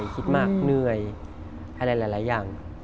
คิดมากเหนื่อยอะไรหลายอย่าง